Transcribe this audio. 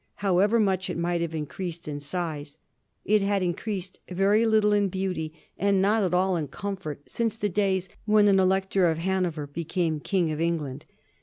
However much it might have increased in size, it had increased very little in beauty, and not at all in comfort, since the days when an Elector of Hanover became King of England.